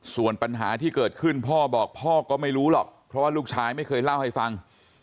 ส่วนปัญหาที่เกิดขึ้นพ่อบอกพ่อก็ไม่รู้หรอกเพราะว่าลูกชายไม่เคยเล่าให้ฟัง